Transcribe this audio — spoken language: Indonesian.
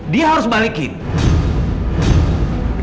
kamu ngapain masih mempenahan kamu ini